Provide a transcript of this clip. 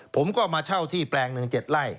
ผมก็มาเช่าที่แปลง๑๗ไร่